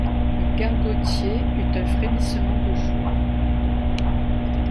Le gargotier eut un frémissement de joie.